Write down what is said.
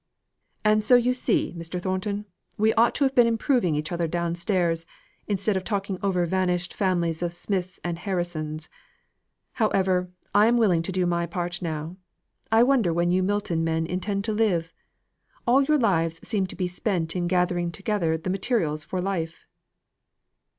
"And so you see, Mr. Thornton, we ought to have been improving each other down stairs, instead of talking over vanished families of Smith's and Harrison's. However, I am willing to do my part now. I wonder when you Milton men intend to live. All your lives seem to be spent in gathering together the materials for life."